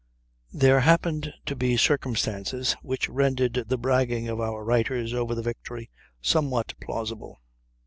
There happened to be circumstances which rendered the bragging of our writers over the victory somewhat plausible.